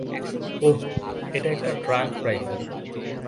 ওহ, এটা একটা trunk rifle.